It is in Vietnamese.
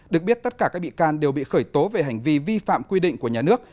được biết tất cả các bị can đều bị khởi tố về hành vi vi phạm quy định của nhà nước